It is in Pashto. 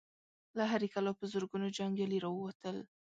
له هرې کلا په زرګونو جنګيالي را ووتل.